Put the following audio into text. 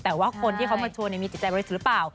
แต่ว่าคนที่เขามาชวนมีจิตใจบริสุทธิ์หรือเปล่า